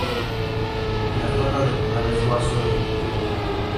En la tanda de penales, Suazo ejecutó y convirtió.